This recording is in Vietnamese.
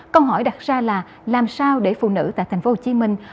câu hỏi đặt ra là làm sao để phụ nữ tại thành phố hồ chí minh